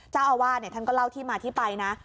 เจ้าอาวาสท่านก็เล่าที่มาที่ไปนะ